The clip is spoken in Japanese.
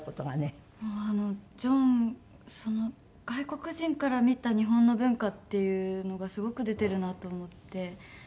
もうジョン外国人から見た日本の文化っていうのがすごく出てるなと思って。